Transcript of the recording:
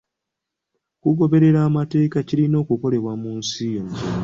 Okugoberera amateeka kirina okukolebwa mu nsi zonna.